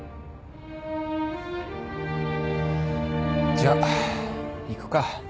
じゃ行くか。